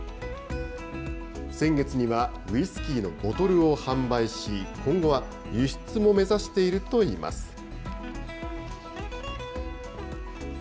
先月には、ウイスキーのボトルを販売し、今後は輸出も目指しているといいます。